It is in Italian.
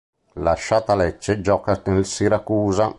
Lasciata Lecce gioca nel Siracusa.